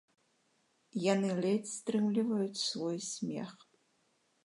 Яны ледзь стрымліваюць свой смех.